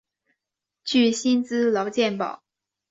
具薪资劳健保